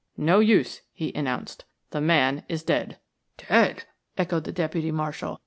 "No use," he announced. "The man is dead." "Dead!" echoed the deputy marshal.